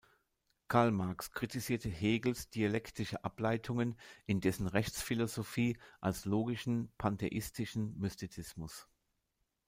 Karl Marx kritisierte Hegels dialektische Ableitungen in dessen Rechtsphilosophie als „logischen, pantheistischen Mystizismus“.